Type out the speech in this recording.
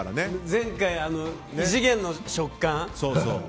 前回、異次元の食感。